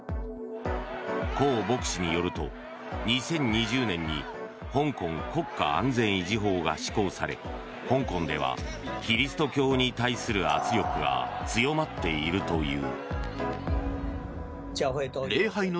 コウ牧師によると２０２０年に香港国家安全維持法が施行され香港ではキリスト教に対する圧力が強まっているという。